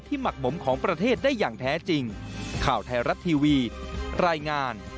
ที่หมักหมมของประเทศได้อย่างแท้จริง